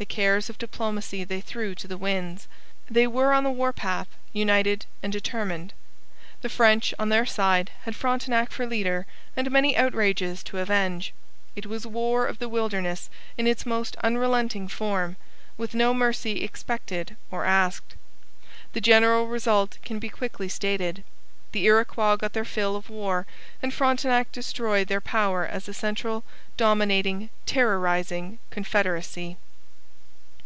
The cares of diplomacy they threw to the winds. They were on the war path, united and determined. The French, on their side, had Frontenac for leader and many outrages to avenge. It was war of the wilderness in its most unrelenting form, with no mercy expected or asked. The general result can be quickly stated. The Iroquois got their fill of war, and Frontenac destroyed their power as a central, dominating, terrorizing confederacy.